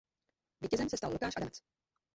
Vítězem se stal Lukáš Adamec.